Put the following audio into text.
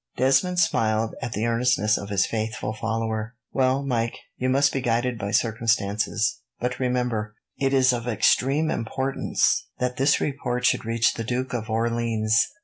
Desmond smiled at the earnestness of his faithful follower. "Well, Mike, you must be guided by circumstances; but remember, it is of extreme importance that this report should reach the Duke of Orleans.